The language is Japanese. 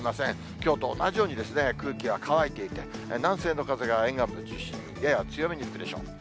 きょうと同じようにですね、空気は乾いていて、南西の風が沿岸部中心に、やや強めに吹くでしょう。